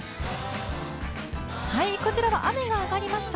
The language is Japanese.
こちら雨が上がりました。